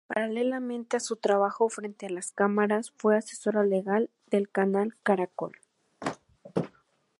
Paralelamente a su trabajo frente a las cámaras, fue asesora legal del Canal Caracol.